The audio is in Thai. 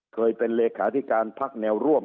เคยเป็นเลขาธิการพักแนวร่วม